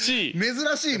珍しいね。